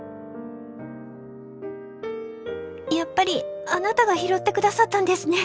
「やっぱりあなたが拾ってくださったんですね」。